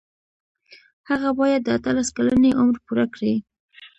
هغه باید د اتلس کلنۍ عمر پوره کړي.